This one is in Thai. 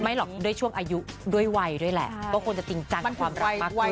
หรอกด้วยช่วงอายุด้วยวัยด้วยแหละก็ควรจะจริงจังความรักมากกว่า